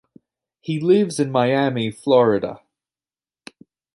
He lives in Miami, Florida.